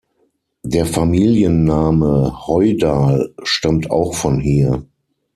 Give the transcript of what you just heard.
Der Familienname Hoydal stammt auch von hier.